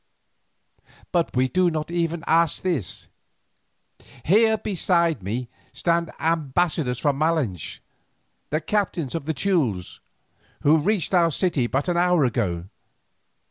But we do not even ask this. Here beside me stand ambassadors from Malinche, the captain of the Teules, who reached our city but an hour ago.